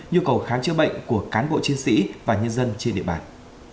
nhu cầu khám chữa bệnh của cán bộ chiến sĩ và nhân dân trên địa bàn